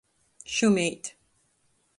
Šumeit.